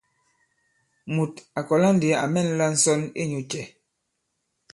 Mùt à kɔ̀la ndī à mɛ̂nla ǹsɔn inyū cɛ ?